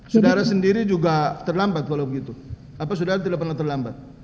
sudara sendiri juga terlambat kalau begitu apa sudara tidak pernah terlambat